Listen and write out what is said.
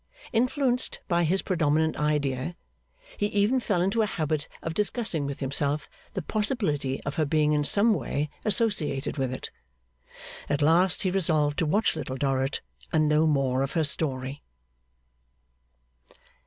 Influenced by his predominant idea, he even fell into a habit of discussing with himself the possibility of her being in some way associated with it. At last he resolved to watch Little Dorrit and know more of her story.